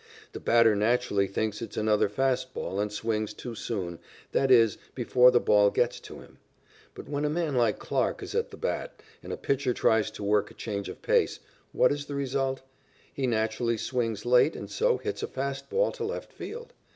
The batter naturally thinks it is another fast ball and swings too soon that is, before the ball gets to him. But when a man like Clarke is at the bat and a pitcher tries to work a change of pace, what is the result? He naturally swings late and so hits a fast ball to left field.